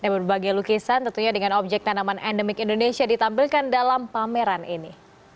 berbagai lukisan tentunya dengan objek tanaman endemik indonesia ditampilkan dalam pameran ini